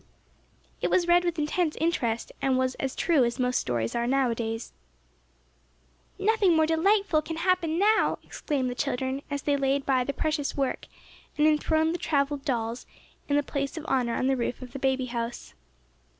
It was read with intense interest, and was as true as most stories are nowadays. "Nothing more delightful can happen now!" exclaimed the children, as they laid by the precious work and enthroned the travelled dolls in the place of honor on the roof of the baby house.